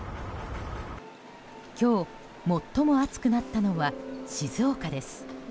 今日最も暑くなったのは静岡です。